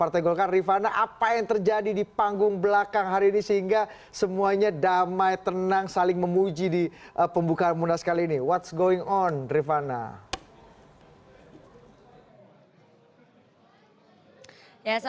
partai golkar yakin bahwa bangsa ini adalah bangsa besar bangsa yang penuh semangat untuk maju